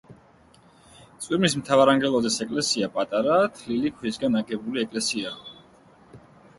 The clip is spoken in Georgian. წვირმის მთავარანგელოზის ეკლესია პატარა, თლილი ქვისგან აგებული ეკლესიაა.